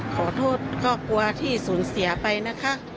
ขอโทษก็กลัวที่ศูนย์เสียไปนะคะ